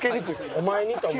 お前にと思って。